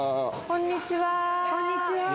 こんにちは